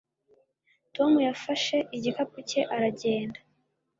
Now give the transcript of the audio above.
tom yafashe igikapu cye aragenda